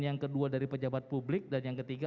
yang kedua dari pejabat publik dan yang ketiga